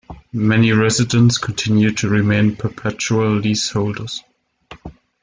Many residents continue to remain perpetual leaseholders.